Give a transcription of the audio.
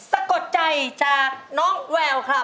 สะกดใจจากน้องแววค่ะ